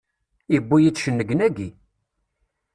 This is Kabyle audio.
Yewwi-yi-d cennegnagi!